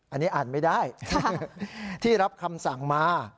อันนี้อ่านไม่ได้ที่รับคำสั่งมา